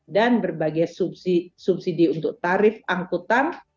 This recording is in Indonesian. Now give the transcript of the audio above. dan berbagai subsidi untuk tarif angkutan